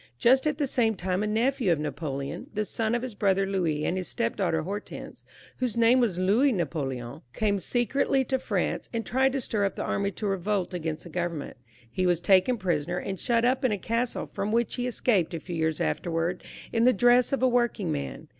Just at the same time a nephew of Napoleon, the son of his brother Louis and his step daughter Hortense, whose name was Louis Napoleon, came secretly to France, and tried to stir up the army to revolt against the Grovemment. He was taken prisoner, and shut up in a castle, from which he escaped a few years afterwards in the dress of a working man.